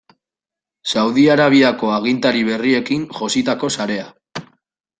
Saudi Arabiako agintari berriekin jositako sarea.